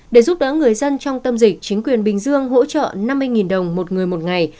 để giúp đỡ người dân trong tâm dịch chính quyền bình dương hỗ trợ năm mươi đồng một người một ngày